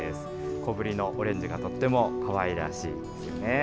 小ぶりのオレンジがとってもかわいらしいですよね。